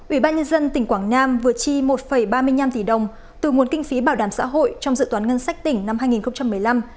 ủy ban nhân dân tỉnh quảng nam vừa chi một ba mươi năm tỷ đồng từ nguồn kinh phí bảo đảm xã hội trong dự toán ngân sách tỉnh năm hai nghìn một mươi năm